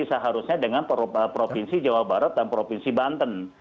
seharusnya dengan provinsi jawa barat dan provinsi banten